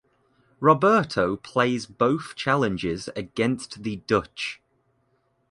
Roberto plays both challenges against the Dutch.